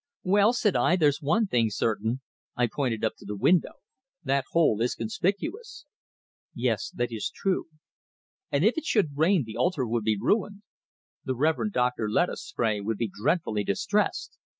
"Well," said I, "there's one thing certain." I pointed up to the window. "That hole is conspicuous." "Yes, that is true." "And if it should rain, the altar would be ruined. The Reverend Dr. Lettuce Spray would be dreadfully distressed.